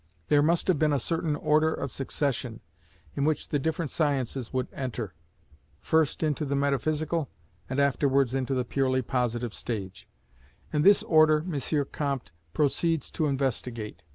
There must have been a certain order of succession in which the different sciences would enter, first into the metaphysical, and afterwards into the purely positive stage; and this order M. Comte proceeds to investigate.